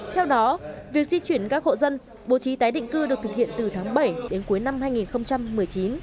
theo đó việc di chuyển các hộ dân bố trí tái định cư được thực hiện từ tháng bảy đến cuối năm hai nghìn một mươi chín